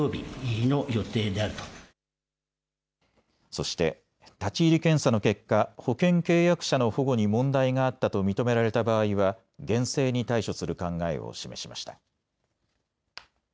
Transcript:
そして立ち入り検査の結果、保険契約者の保護に問題があったと認められた場合は厳正に対処する考えを示しました。